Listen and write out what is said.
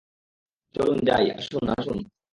চলুন যাই, আসুন, আসুন!